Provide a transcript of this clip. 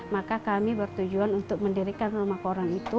maka kami bertujuan untuk mendirikan rumah koran itu